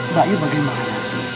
mbak yu bagaimana sih